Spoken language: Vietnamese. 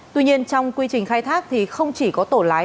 tuy nhiên trong quy trình khai thác thì không chỉ có tổ lái